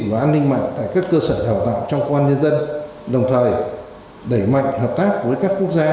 và an ninh mạng tại các cơ sở đào tạo trong công an nhân dân đồng thời đẩy mạnh hợp tác với các quốc gia